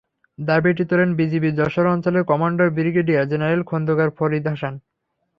দাবিটি তোলেন বিজিবির যশোর অঞ্চলের commander brigadier general Khondkar Farid Hasan.